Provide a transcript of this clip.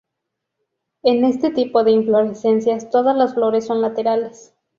En este tipo de inflorescencias todas las flores son laterales.